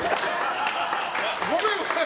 ごめんなさい